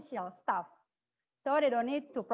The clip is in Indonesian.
terutama untuk penduduk